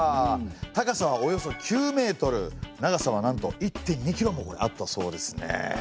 高さはおよそ９メートル長さはなんと１．２キロもあったそうですね。